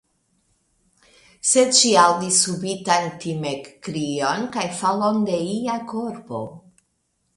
Sed ŝi aŭdis subitan timekkrion, kaj falon de ia korpo.